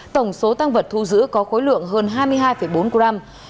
tổng số tăng vật thu giữ có khối lượng hơn hai mươi hai bốn gram